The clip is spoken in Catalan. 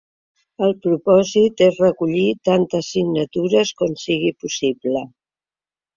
El propòsit és recollir tantes signatures com sigui possible.